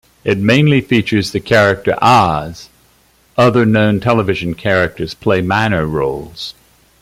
It mainly features the character "Oz", other known television characters play minor roles.